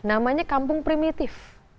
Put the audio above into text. namanya kampung primitif